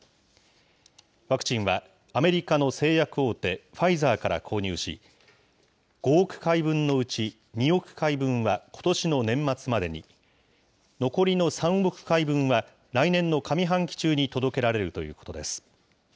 ワクチンは、アメリカの製薬大手、ファイザーから購入し、５億回分のうち、２億回分はことしの年末までに、残りの３億回分は、来年の上半期中に届けられるということです。